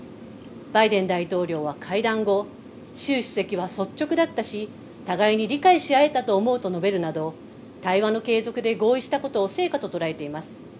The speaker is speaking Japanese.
バイデン大統領は会談後、習主席は率直だったし、互いに理解し合えたと思うなどと述べるなど、対話の継続で合意したことを成果と捉えています。